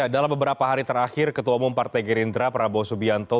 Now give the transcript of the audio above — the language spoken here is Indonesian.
dalam beberapa hari terakhir ketua umum partai gerindra prabowo subianto